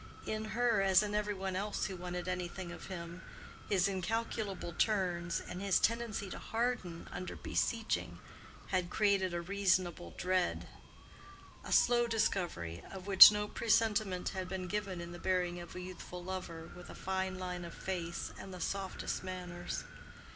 In her, as in every one else who wanted anything of him, his incalculable turns, and his tendency to harden under beseeching, had created a reasonable dread:—a slow discovery, of which no presentiment had been given in the bearing of a youthful lover with a fine line of face and the softest manners.